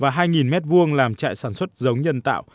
và hai mét vuông làm trại sản xuất giống nhân tạo